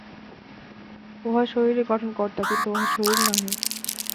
উহা শরীরের গঠনকর্তা, কিন্তু উহা শরীর নহে।